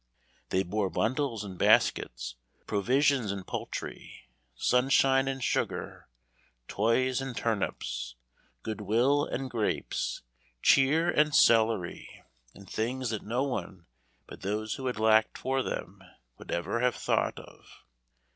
They bore bundles and baskets, provisions and poultry, sunshine and sugar, toys and turnips, good will and grapes, cheer and celery, and things that no one but those who had lacked for them, would ever have thought of.